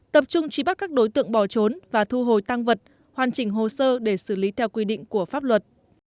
tập trung truy bắt các đối tượng bỏ trốn và thu hồi tăng vật hoàn chỉnh hồ sơ để xử lý theo quy định của pháp luật